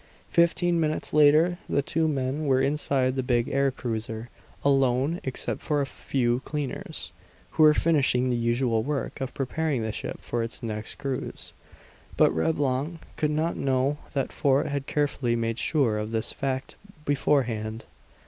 Fifteen minutes later the two men were inside the big air cruiser, alone except for a few cleaners, who were finishing the usual work of preparing the ship for its next cruise. But Reblong could not know that Fort had carefully made sure of this fact beforehand.